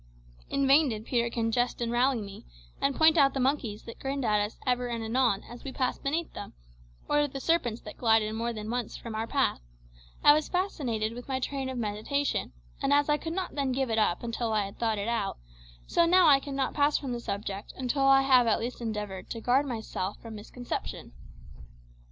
In vain did Peterkin jest and rally me, and point out the monkeys that grinned at us ever and anon as we passed beneath them, or the serpents that glided more than once from our path, I was fascinated with my train of meditation, and as I could not then give it up until I had thought it out, so now I cannot pass from the subject until I have at least endeavoured to guard myself from misconception.